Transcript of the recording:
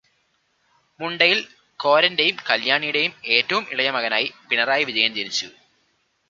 മുണ്ടയിൽ കോരന്റെയും കല്ല്യാണിയുടെയും ഏറ്റവും ഇളയ മകനായി പിണറായി വിജയൻ ജനിച്ചു.